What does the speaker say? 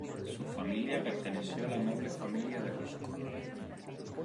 Su familia perteneció a la noble familia de Rusconi.